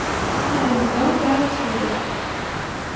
And no doubt he will.